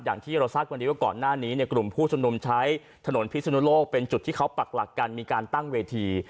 อย่างที่เราทราบวันนี้ว่าก่อนหน้านี้เนี่ยกลุ่มผู้ชมนุมใช้ถนนพิศนุโลกเป็นจุดที่เขาปักหลักกันมีการตั้งเวที